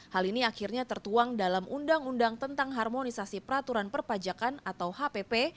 hal ini akhirnya tertuang dalam undang undang tentang harmonisasi peraturan perpajakan atau hpp